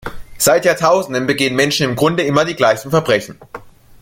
Seit Jahrtausenden begehen Menschen im Grunde immer die gleichen Verbrechen.